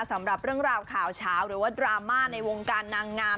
สำหรับเรื่องราวข่าวเช้าหรือว่าดราม่าในวงการนางงาม